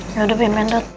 yaudah pimpin tut